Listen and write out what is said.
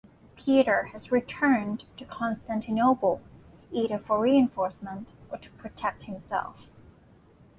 Peter had returned to Constantinople, either for reinforcements or to protect himself.